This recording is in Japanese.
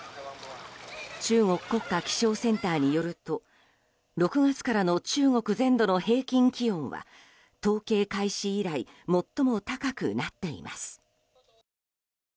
中国国家気象センターによると６月からの中国全土の平均気温は統計開始以来最も高くなっています。